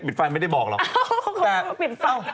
ปิดไฟไม่ได้บอกหรอกเอ้าคุณแม่เขาปิดไฟ